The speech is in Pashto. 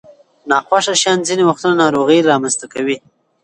ناخوښه شیان ځینې وختونه ناروغۍ رامنځته کوي.